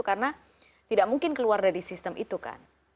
karena tidak mungkin keluar dari sistem itu kan